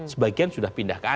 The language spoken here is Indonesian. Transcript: sebagian sudah berpengalaman